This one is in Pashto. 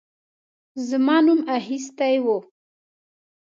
زما نوم اخیستی وو.